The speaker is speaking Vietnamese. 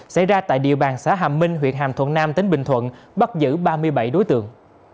xảy ra tại địa bàn xã hàm minh huyện hàm thuận nam tỉnh bình thuận bắt giữ ba mươi bảy đối tượng